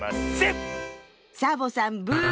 サボさんブーッ。